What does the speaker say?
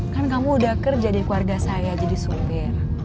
kan kamu udah kerja di keluarga saya jadi sopir